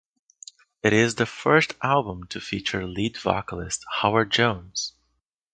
It is the first album to feature lead vocalist Howard Jones.